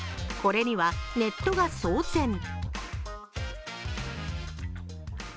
これにはネットが騒然。